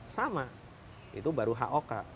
sama itu baru hok